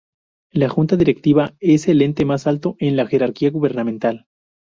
La Junta Directiva es el ente más alto en la jerarquía gubernamental.